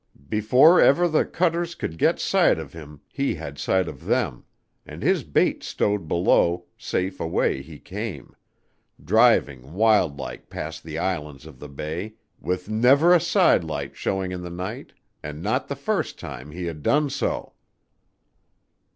Before ever the cutters could get sight of him he had sight of them; and his bait stowed below, safe away he came, driving wild like past the islands of the bay, with never a side light showing in the night, and not the first time he had done so.